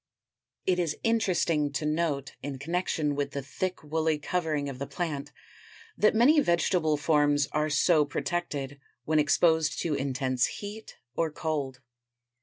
It is interesting to note in connection with the thick woolly covering of the plant that many vegetable forms are so protected when exposed to intense heat or cold.